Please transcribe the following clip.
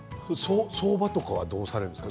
相場とかどうされるんですか。